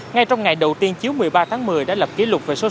ngay trong ngày đầu tiên chiếu một mươi ba tháng một mươi đã lập kỷ lục về số